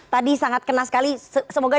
tadi sangat kena sekali semoga